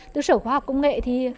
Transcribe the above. từ sở khoa học công nghệ